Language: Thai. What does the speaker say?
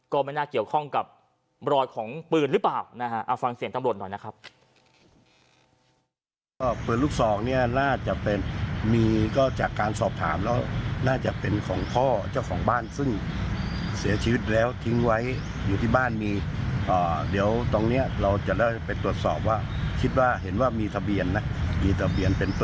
ก็ไม่น่าเกี่ยวข้องกับรอยของปืนหรือเปล่านะฮะเอาฟังเสียงตำรวจหน่อยนะครับ